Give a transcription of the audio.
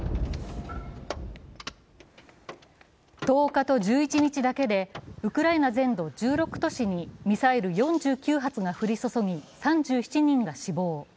１０日と１１日だけでウクライナ全土１６都市にミサイル４９発が降り注ぎ３７人が死亡。